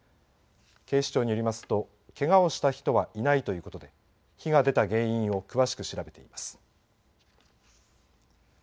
警視庁によりますとけがをした人はいないということで火が出た原因を詳しく調べています。